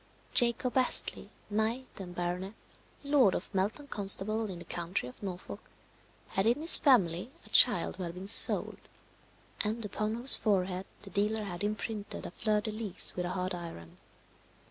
Jacob Astley, knight and baronet, lord of Melton Constable, in the county of Norfolk, had in his family a child who had been sold, and upon whose forehead the dealer had imprinted a fleur de lis with a hot iron.